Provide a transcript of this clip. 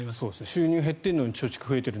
収入が減っているのに貯蓄は増えている。